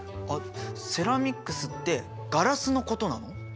セラミックスってガラスのことなの？